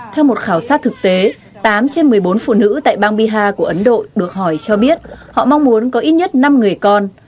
theo một khảo sát thực tế tám trên một mươi bốn phụ nữ tại bang bihar của ấn độ được hỏi cho biết họ mong muốn có ít nhất năm người con